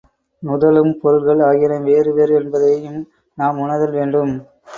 நுதலும் பொருள்கள் ஆகியன வேறு வேறு என்பதையும் நாம் உணர்தல் வேண்டும்.